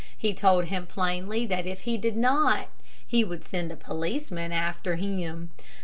He told him plainly that if he did not he would send a policeman after him.